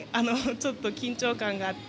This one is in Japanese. ちょっと緊張感があって。